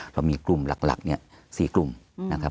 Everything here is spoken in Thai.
เรามีกลุ่มหลักเนี่ย๔กลุ่มนะครับ